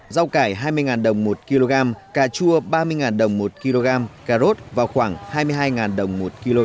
rau cải hai mươi đồng một kg cà chua ba mươi đồng một kg cà rốt vào khoảng hai mươi hai đồng một kg